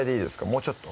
もうちょっと？